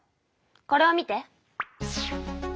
これを見て。